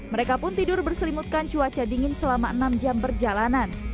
mereka pun tidur berselimutkan cuaca dingin selama enam jam perjalanan